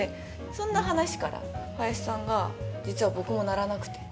そんな話から、林さんが、実は僕も鳴らなくて。